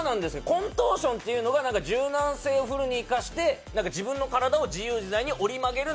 コントーションというのが柔軟性を生かして自分の体を自由自在に折り曲げる